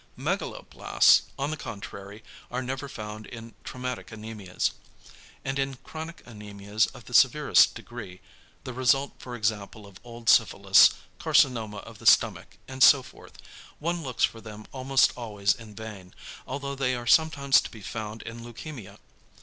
=Megaloblasts= on the contrary are never found in traumatic anæmias. And in chronic anæmias of the severest degree, the result for example of old syphilis, carcinoma of the stomach and so forth, one looks for them almost always in vain, although they are sometimes to be found in leukæmia.